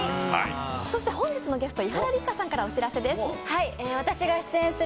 そして本日のゲスト・伊原六花さんからお知らせです。